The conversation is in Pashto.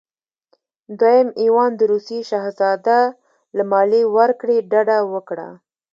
دویم ایوان د روسیې شهزاده له مالیې ورکړې ډډه وکړه.